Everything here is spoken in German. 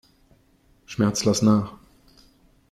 Schmerz, lass nach!